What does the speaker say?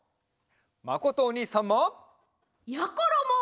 まことおにいさんも！やころも！